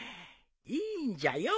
いいんじゃよ